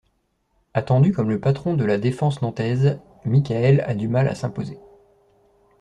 Attendu comme le patron de la défense nantaise, Michael a du mal à s'imposer.